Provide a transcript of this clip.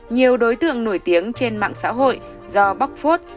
nhiều đối tượng nổi tiếng trên mạng xã hội do bóc phốt